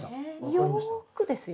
よくですよ。